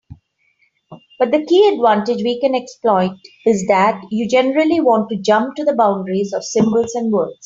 But the key advantage we can exploit is that you generally want to jump to the boundaries of symbols and words.